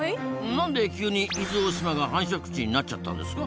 なんで急に伊豆大島が繁殖地になっちゃったんですか？